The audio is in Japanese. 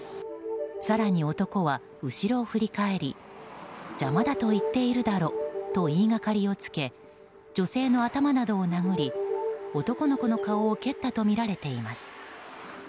更に、男は後ろを振り返り「邪魔だと言っているだろ」と言いがかりをつけ女性の頭などを殴り男の子の顔を蹴ったとみられています。